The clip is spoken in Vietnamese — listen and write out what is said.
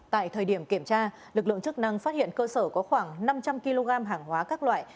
tại thời điểm kiểm tra lực lượng chức năng phát hiện cơ sở có khoảng năm trăm linh kg hàng hóa các loại